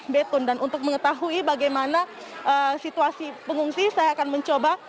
betun dan untuk mengetahui bagaimana situasi pengungsi saya akan mencoba